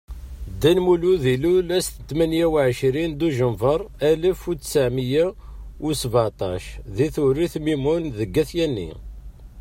Dda Lmulud ilul ass tmenya u ɛecrin Duǧember Alef u ttɛemya u sbaɛṭac di Tewrirt Mimun deg At Yanni.